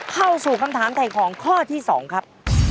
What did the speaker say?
เข้าสู่คำถามถ่ายของข้อที่๒ครับ